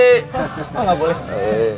oh nggak boleh